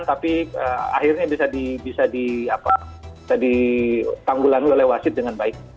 tapi akhirnya bisa ditanggulangi oleh wasit dengan baik